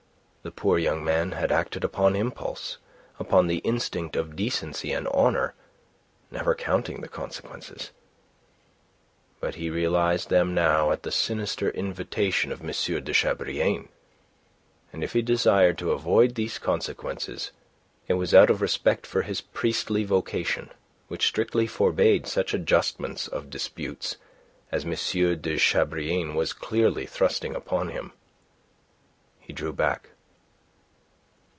The poor young man had acted upon impulse, upon the instinct of decency and honour, never counting the consequences. But he realized them now at the sinister invitation of M. de Chabrillane, and if he desired to avoid these consequences, it was out of respect for his priestly vocation, which strictly forbade such adjustments of disputes as M. de Chabrillane was clearly thrusting upon him. He drew back.